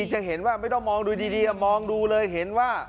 เจอเห็นว่ามองดูเลยเจอเห็นว่า